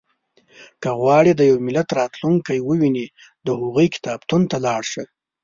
• که غواړې د یو ملت راتلونکی ووینې، د هغوی کتابتون ته لاړ شه.